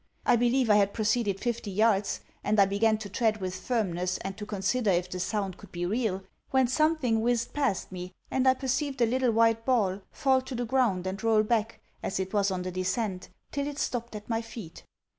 I believe I had proceeded fifty yards, and I began to tread with firmness and to consider if the sound could be real, when something whizzed past me and I perceived a little white ball fall to the ground and roll back as it was on the descent till it stopped at my feet.